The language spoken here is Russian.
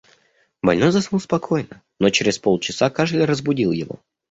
Больной заснул спокойно, но чрез полчаса кашель разбудил его.